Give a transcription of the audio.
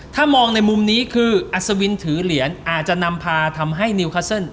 ถ้ามองในมุมนี้คืออัศวินถือเหรียญอาจจะนำพาทำให้นิวคัสเซิล